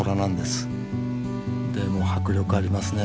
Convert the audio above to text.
でも迫力ありますね